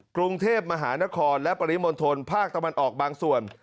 กรุงเทพมหานครและปริมณฑลภาคตะวันออกบางส่วน